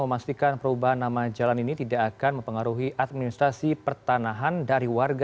memastikan perubahan nama jalan ini tidak akan mempengaruhi administrasi pertanahan dari warga